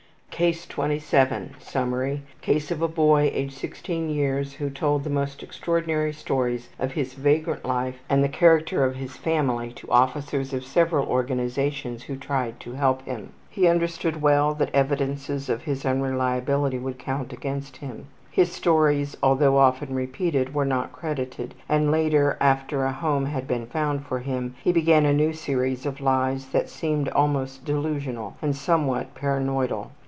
Lying. CASE 27 Summary: Case of a boy, age 16 years, who told the most extraordinary stories of his vagrant life and the character of his family to officers of several organizations who tried to help him. He understood well that evidences of his unreliability would count against him. His stories, although often repeated, were not credited, and later, after a home had been found for him, he began a new series of lies that seemed almost delusional and somewhat paranoidal.